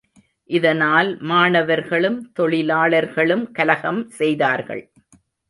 இதனால் மாணவர்களும், தொழிலாளர்களும் கலகம் செய்தார்கள்.